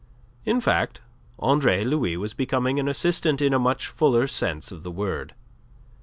In fact Andre Louis was becoming an assistant in a much fuller sense of the word.